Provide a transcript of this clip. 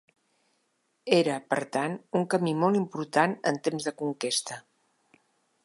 Era, per tant, un camí molt important en temps de conquesta.